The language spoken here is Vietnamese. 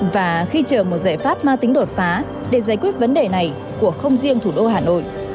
và khi chờ một giải pháp mang tính đột phá để giải quyết vấn đề này của không riêng thủ đô hà nội